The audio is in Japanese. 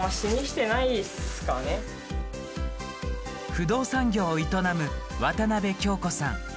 不動産業を営む渡邊享子さん。